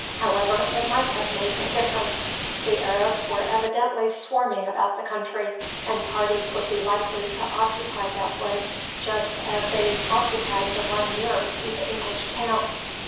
However, it might have made no difference. The Arabs were evidently swarming about the country, and parties would be likely to occupy that wood just as they occupied the one nearer to the English camp.